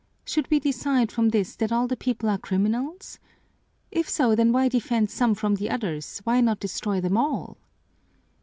Should we decide from this that all the people are criminals? If so, then why defend some from the others, why not destroy them all?"